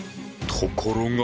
ところが。